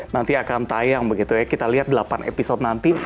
nanti akan tayang begitu ya kita lihat delapan episode nanti